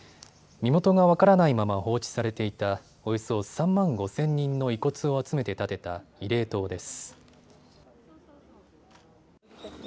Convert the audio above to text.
身元が分からないまま放置されていたおよそ３万５０００人の遺骨を集めて建てた慰霊塔です。